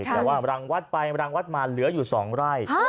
แต่ว่ารังวัดไปรังวัดมาเหลืออยู่๒ไร่